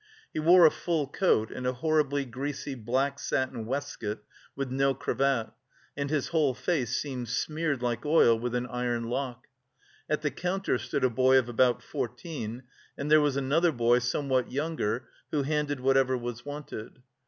He wore a full coat and a horribly greasy black satin waistcoat, with no cravat, and his whole face seemed smeared with oil like an iron lock. At the counter stood a boy of about fourteen, and there was another boy somewhat younger who handed whatever was wanted.